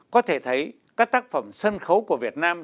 có thể thấy các tác phẩm sân khấu của việt nam